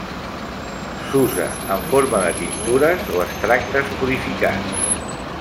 S'usa en forma de tintures o extractes purificats.